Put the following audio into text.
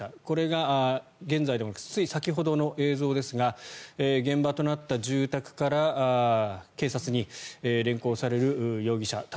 これがつい先ほどの映像ですが現場となった住宅から警察に連行される容疑者。